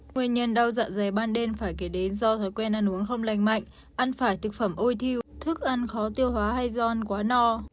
nguyên nhân đau dạ dày ban đêm phải kể đến do thói quen ăn uống không lành mạnh ăn phải thực phẩm ôi thiêu thức ăn khó tiêu hóa hay gion quá no